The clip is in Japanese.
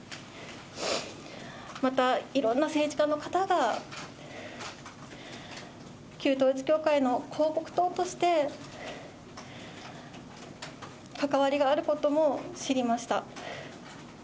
また、いろんな政治家の方が旧統一教会の広告塔として、関わりがあることも知りました。